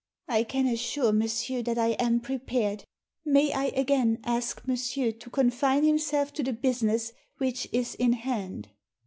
I can assure monsieur that I am pre pared. May I again ask monsieur to confine himself to the business which is in hand."